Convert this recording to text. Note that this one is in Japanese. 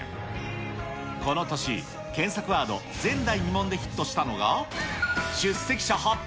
この年、検索ワード、前代未聞でヒットしたのが、出席者８００人！